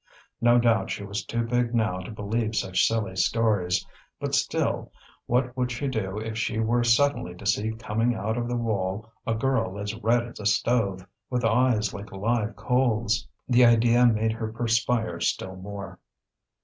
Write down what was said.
No doubt she was too big now to believe such silly stories; but still, what would she do if she were suddenly to see coming out of the wall a girl as red as a stove, with eyes like live coals? The idea made her perspire still more.